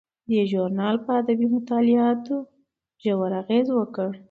دې ژورنال په ادبي مطالعاتو ژور اغیز وکړ.